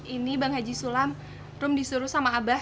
ini bang haji sulam rum disuruh sama abah